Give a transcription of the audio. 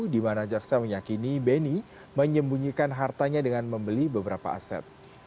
di mana jaksa meyakini beni menyembunyikan hartanya dengan membeli beberapa aset